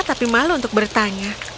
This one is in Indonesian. tapi malu untuk bertanya